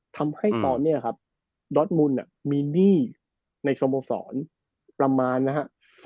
ทำให้ตอนเนี่ยครับดอร์ทมูลมีหนี้ในสมสรรค์ประมาณนะฮะ